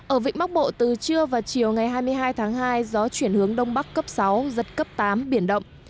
ở vịnh bắc bộ từ trưa và chiều ngày hai mươi hai tháng hai gió chuyển hướng đông bắc cấp sáu giật cấp tám biển động